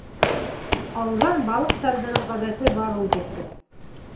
Ауҙан балыҡ сәлдереү ғәҙәте бар ул беҙҙә.